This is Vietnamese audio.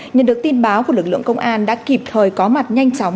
nhận được tin báo của lực lượng công an đã kịp thời có mặt nhanh chóng